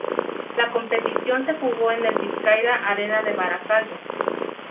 La competición se jugó en el Bizkaia Arena de Baracaldo.